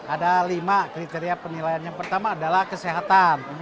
ada lima kriteria penilaian yang pertama adalah kesehatan